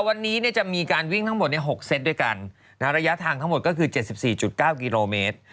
วันนี้จะมีการวิ่งทั้งหมด๖เซตด้วยกันระยะทางทั้งหมดก็คือ๗๔๙กิโลเมตร